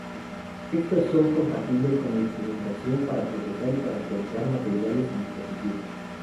Estos son compatibles con la instrumentación para procesar y caracterizar materiales y dispositivos.